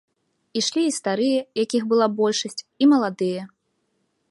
Ішлі і старыя, якіх была большасць, і маладыя.